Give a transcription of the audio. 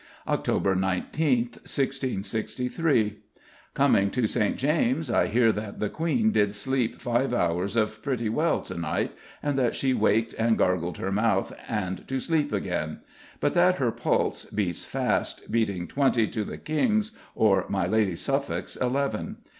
Oct. 19th, 1663: Coming to St. James's, I hear that the Queen did sleep five hours pretty well to night, and that she waked and gargled her mouth, and to sleep again; but that her pulse beats fast, beating twenty to the King's or my Lady Suffolk's eleven.